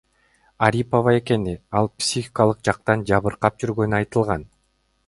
Арипова экени, ал психикалык жактан жабыркап жүргөнү айтылган.